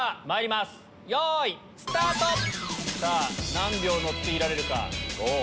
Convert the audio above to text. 何秒乗っていられるか。